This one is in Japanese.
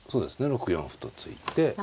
６四歩と突いて。